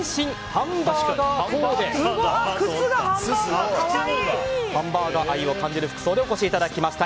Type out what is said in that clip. ハンバーガー愛を感じる服装でお越しいただきました。